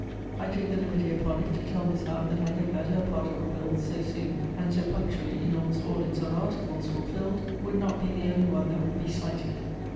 I took the liberty upon it to tell Miss Howe that I hoped that her part of a will, so soon, and so punctually, in almost all its other articles, fulfilled, would not be the only one that would be slighted.